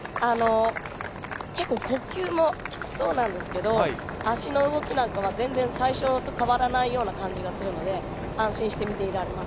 結構呼吸もきつそうなんですけど、足の動きなんかは全然最初と変わらないような感じがするので、安心して見ていられます。